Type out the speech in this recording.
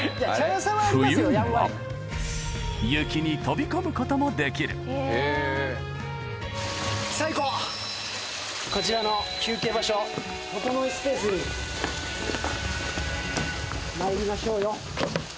雪に飛び込むこともできるこちらの休憩場所ととのいスペースにまいりましょうよ